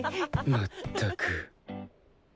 まったく。